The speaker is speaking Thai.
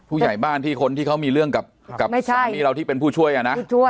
ผู้ใหญ่บ้านที่คนที่เขามีเรื่องกับสามีเราที่เป็นผู้ช่วยอ่ะนะ